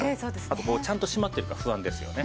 あとちゃんと閉まってるか不安ですよね。